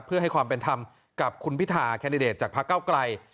เพื่อให้ความเป็นธรรมกับคุณพิธาแคนดิเดตจากพระเก้าไกล